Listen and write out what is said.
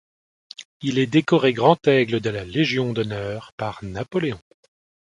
Il est décoré Grand-aigle de la Légion d'honneur par Napoléon.